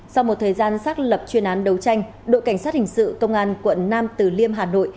sau một thời gian xác lập chuyên án đấu tranh đội cảnh sát hình sự công an quận nam từ liêm hà nội